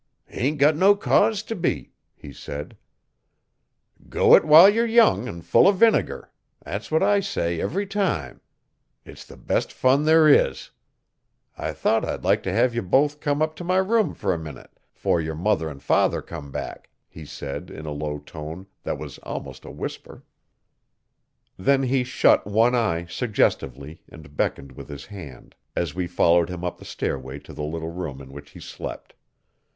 'Hain't got no cause t' be,' he said. 'Go it while ye're young 'n full 'o vinegar! That's what I say every time. It's the best fun there is. I thought I'd like t' hev ye both come up t' my room, fer a minute, 'fore yer mother 'n father come back,' he said in a low tone that was almost a whisper. Then he shut one eye, suggestively, and beckoned with his head, as we followed him up the stairway to the little room in which he slept.